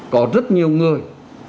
có rất nhiều người